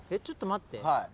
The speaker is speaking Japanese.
ちょっと待って。